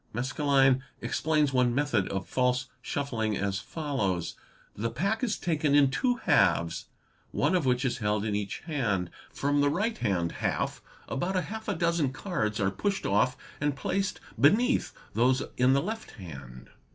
Maskelyne explains one method of false shuffling as follows :— "The pack is taken in two halves, one of which is held in each hand. From the right hand half about half a dozen cards are pushed off and placed beneath those in the left hand.